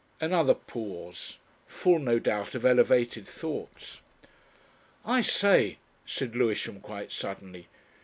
Another pause full, no doubt, of elevated thoughts. "I say," said Lewisham quite suddenly.